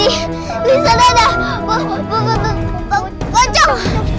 itu di sana ada bocong